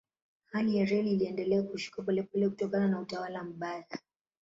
Hali ya reli iliendelea kushuka polepole kutokana na utawala mbaya.